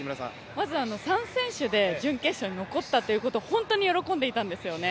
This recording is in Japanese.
まず３選手で準決勝に残ったこと、ホントに喜んでいたんですよね。